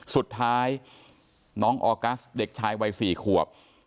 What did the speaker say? สุดท้ายน้องออกัสเด็กชายวัย๔ขวบ